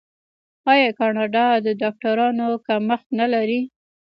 آیا کاناډا د ډاکټرانو کمښت نلري؟